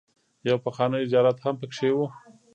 يو پخوانی زيارت هم پکې و.